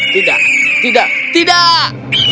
tidak tidak tidak